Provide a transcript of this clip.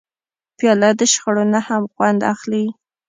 پیاله د شخړو نه هم خوند اخلي.